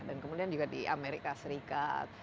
dan kemudian juga di amerika serikat